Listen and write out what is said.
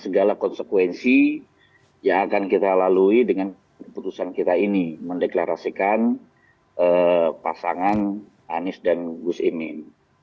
bagaimana dengan konsekuensi yang akan kita lalui dengan keputusan kita ini mendeklarasikan pasangan anies dan gusimin